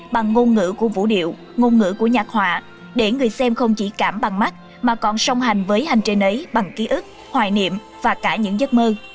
bằng ngôn ngữ của vũ điệu ngôn ngữ của nhạc họa để người xem không chỉ cảm bằng mắt mà còn song hành với hành trình ấy bằng ký ức hoài niệm và cả những giấc mơ